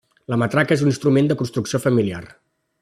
La matraca és un instrument de construcció familiar.